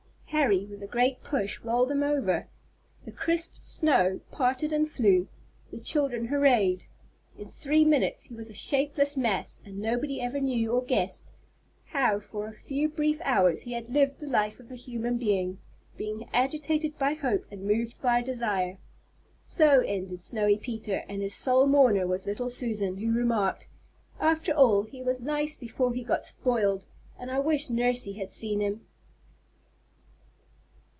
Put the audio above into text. Harry, with a great push, rolled him over. The crisp snow parted and flew, the children hurrahed; in three minutes he was a shapeless mass, and nobody ever knew or guessed how for a few brief hours he had lived the life of a human being, been agitated by hope and moved by desire. So ended Snowy Peter; and his sole mourner was little Susan, who remarked, "After all, he was nice before he got spoiled, and I wish Nursey had seen him."